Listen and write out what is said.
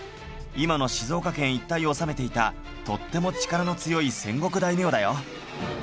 今の静岡県一帯を治めていたとっても力の強い戦国大名だよ